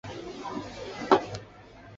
安徽嗜眼吸虫为嗜眼科嗜眼属的动物。